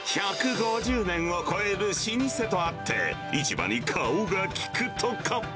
１５０年を超える老舗とあって、市場に顔がきくとか。